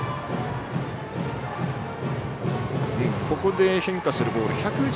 ここで変化するボール。